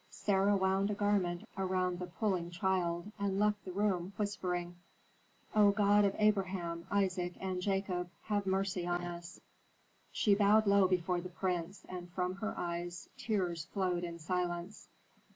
Sarah wound a garment around the puling child, and left the room, whispering, "O God of Abraham, Isaac, and Jacob, have mercy on us!" She bowed low before the prince, and from her eyes tears flowed in silence.